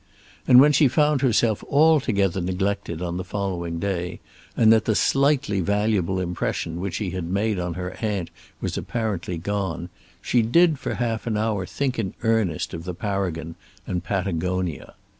And when she found herself altogether neglected on the following day, and that the slightly valuable impression which she had made on her aunt was apparently gone, she did for half an hour think in earnest of the Paragon and Patagonia.